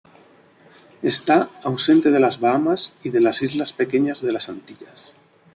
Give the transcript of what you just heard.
Está ausente de las Bahamas y de las islas pequeñas de las Antillas.